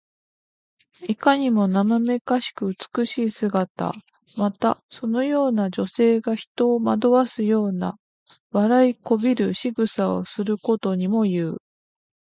いかにもなまめかしく美しい姿。また、そのような女性が人を惑わすような、笑いこびるしぐさをすることにもいう。